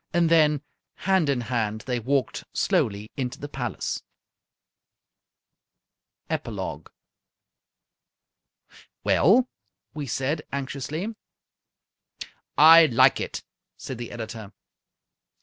And then, hand in hand, they walked slowly into the palace. EPILOGUE "Well?" we said, anxiously. "I like it," said the editor.